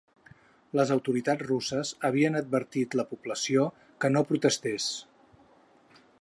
Les autoritats russes havien advertit la població que no protestés.